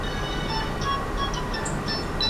مشران ولي په ګډه اقتصادي همکاري کوي؟